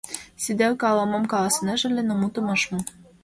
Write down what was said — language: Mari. Сиделке ала-мом каласынеже ыле, но мутым ыш му.